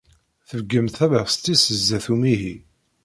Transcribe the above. Tbeyyen-d tabeɣst-is zzat umihi.